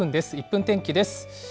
１分天気です。